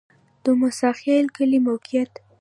د موسی خیل کلی موقعیت